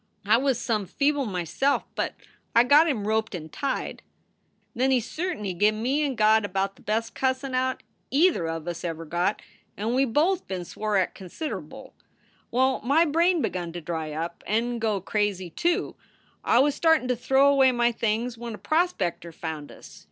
I was some feeble m self, but I got him roped and tied. "Then he cert ny give me and Gawd about the best cussin* out either of us ever got, and we both been swore at consid able. Well, my brain begun to dry up and go crazy, too. I was startin to throw away my things when a prospector found us.